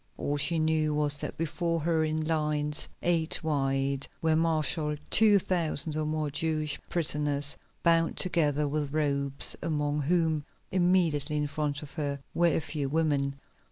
All she knew was that before her in lines eight wide were marshalled two thousand or more Jewish prisoners bound together with ropes, among whom, immediately in front of her, were a few women.